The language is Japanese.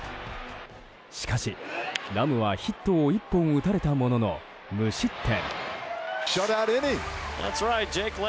しかし、ラムはヒットを１本打たれたものの無失点。